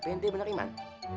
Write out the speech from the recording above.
tapi ente bener iman